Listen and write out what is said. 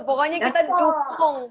pokoknya kita dukung